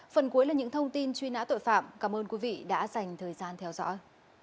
phần cuối là những thông tin truy nã tội phạm cảm ơn quý vị đã dành thời gian theo dõi